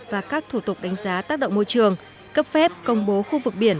và các thủ tục đánh giá tác động môi trường cấp phép công bố khu vực biển